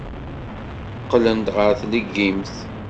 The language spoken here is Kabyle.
Qqlen ɣer tleggimt.